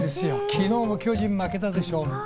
昨日の巨人負けたでしょ？